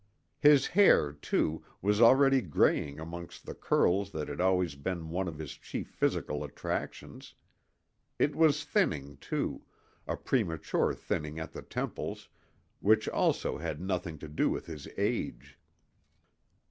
His hair, too, was already graying amongst the curls that had always been one of his chief physical attractions. It was thinning, too, a premature thinning at the temples, which also had nothing to do with his age.